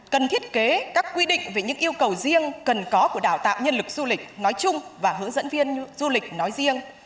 cần thiết kế các quy định về những yêu cầu riêng cần có của đào tạo nhân lực du lịch nói chung và hướng dẫn viên du lịch nói riêng